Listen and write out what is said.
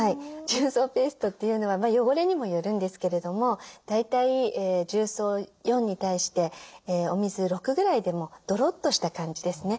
重曹ペーストというのは汚れにもよるんですけれども大体重曹４に対してお水６ぐらいでもドロッとした感じですね。